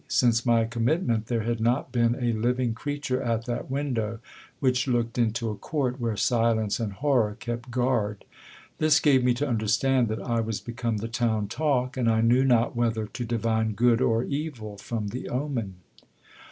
Since my commitment, there had not been a living creature at that window, which looked into a court where silence and horror kept guard. This gave me to understand that I was become the town talk, and I knew not whether to divine good or evil from the omen.